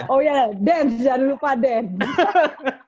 oh iya dance jangan lupa dance